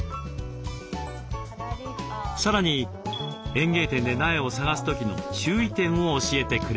さらに園芸店で苗を探す時の注意点を教えてくれました。